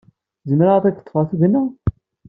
Zemreɣ ad ak-d-ḍḍfeɣ tugna?